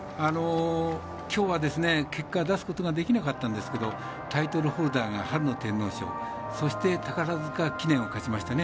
今日は結果を出すことができなかったんですけどタイトルホルダーが春の天皇賞そして、宝塚記念を勝ちましたね。